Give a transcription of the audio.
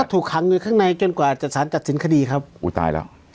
ถูกขังอยู่ข้างในจนกว่าจะสารตัดสินคดีครับอุ้ยตายแล้ว